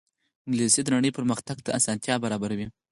انګلیسي د نړۍ پرمخ تګ ته اسانتیا برابروي